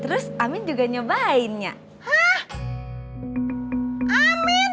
terus amin juga nyobainnya hah amin